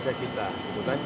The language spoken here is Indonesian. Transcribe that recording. ada beberapa prioritasnya kita